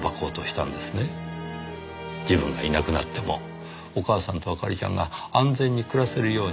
自分がいなくなってもお母さんと明里ちゃんが安全に暮らせるように。